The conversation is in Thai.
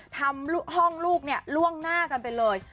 ทำห้องลูกเนี่ยล่วงหน้ากันไปเลย